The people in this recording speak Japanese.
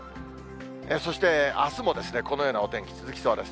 そしてあすもこのようなお天気続きそうです。